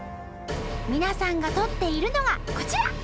皆さんが撮っているのがこちら！